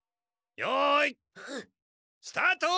よいスタート！